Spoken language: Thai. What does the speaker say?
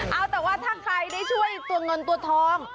เอาแต่ว่าถ้าใครได้ช่วยตัวเงินตัวทอง